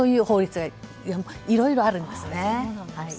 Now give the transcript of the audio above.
法律がいろいろあるんですね。